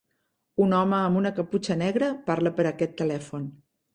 Un home amb una caputxa negra parla per aquest telèfon.